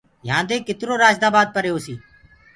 يهآندي ڪترو پري رآشدآبآد هوسي